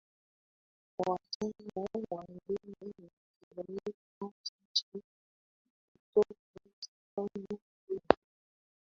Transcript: Uwanja wa ndege ni kilomita chache tu kutoka Stone Town